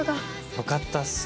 よかったっすね